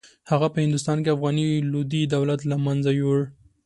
هغه په هندوستان کې افغاني لودي دولت له منځه یووړ.